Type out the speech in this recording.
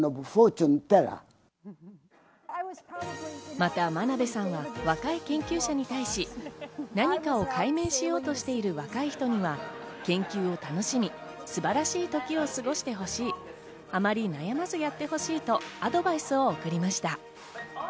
また真鍋さんは若い研究者に対し、何かを解明しようとしている若い人には研究を楽しみ素晴らしい時を過ごしてほしい、あまり悩まずやってほしいとアドバイスを送りました。